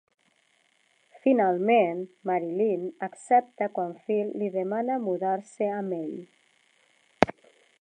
Finalment, Marilyn accepta quan Phil li demana mudar-se amb ell.